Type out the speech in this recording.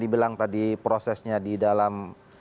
dibilang tadi prosesnya di dalam